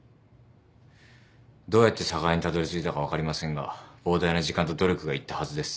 どうやって寒河江にたどりついたか分かりませんが膨大な時間と努力が要ったはずです。